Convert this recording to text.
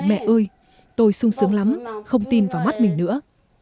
mẹ ơi tôi sung sướng lắm không tin vào mắt mình nữa